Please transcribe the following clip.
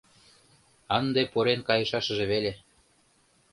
Ынде пурен кайышашыже веле.